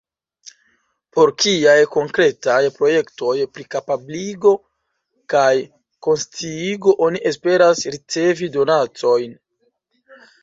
Por kiaj konkretaj projektoj pri kapabligo kaj konsciigo oni esperas ricevi donacojn?